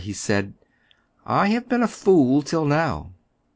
" he said. " I have been a fool till now.